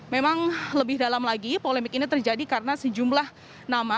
memang lebih dalam lagi polemik ini terjadi karena sejumlah nama